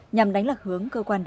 nhằm đánh lạc hướng cơ quan